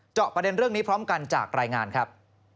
ประเด็นเรื่องนี้พร้อมกันจากรายงานครับ